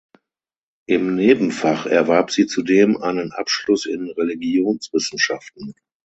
Im Nebenfach erwarb sie zudem einen Abschluss in Religionswissenschaften.